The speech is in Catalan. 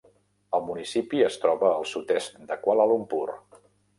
El municipi es troba al sud-est de Kuala Lumpur.